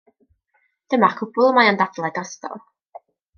Dyma'r cwbl y mae o'n dadlau drosto.